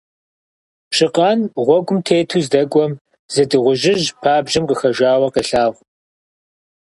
Пщыкъан гъуэгум тету здэкӀуэм зы дыгъужьыжь пабжьэм къыхэжауэ къелъагъу.